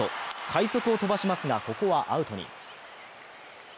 快足を飛ばしますがここはアウトに。